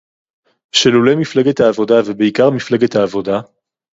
שלולא מפלגת העבודה ובעיקר מפלגת העבודה